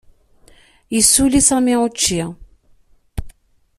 Yessuli Sami učči.